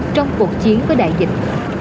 trong cuộc chiến với đại dịch